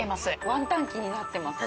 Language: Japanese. ワンタン気になってます。